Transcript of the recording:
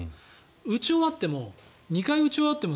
打ち終わっても２回打ち終わっても